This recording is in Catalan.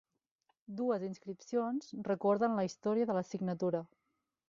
Dues inscripcions recorden la història de la signatura.